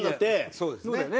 そうですね。